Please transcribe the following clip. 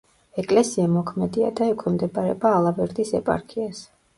ეკლესია მოქმედია და ექვემდებარება ალავერდის ეპარქიას.